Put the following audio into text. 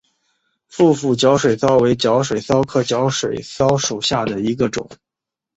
腹斧角水蚤为角水蚤科角水蚤属下的一个种。